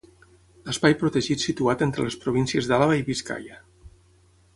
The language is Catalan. Espai protegit situat entre les províncies d'Àlaba i Biscaia.